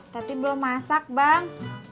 tapi belum masak bang